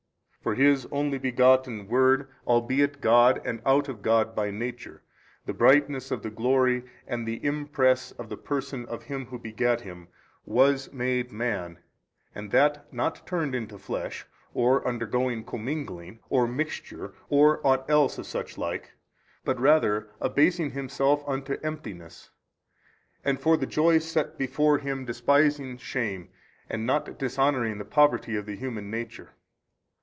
For His Only Begotten Word albeit God and out of God by Nature, the Brightness of the glory and the Impress of the Person of Him Who begat Him, WAS MADE man and that not turned into flesh, or undergoing commingling 2 or mixture or ought else of such like, but rather abasing Himself unto emptiness, and for the joy set before Him despising shame and not dishonouring the poverty of the human nature.